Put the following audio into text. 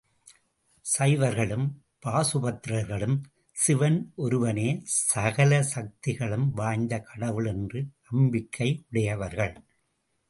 சைவர்களும், பாசுபதர்களும் சிவன் ஒருவனே சகல சக்திகளும் வாய்ந்த கடவுள் என்ற நம்பிக்கையுடையவர்கள்.